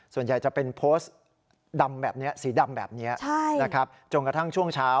ส่วนใหญ่จะเป็นโพสต์สีดำแบบนี้จนกระทั่งช่วงเช้า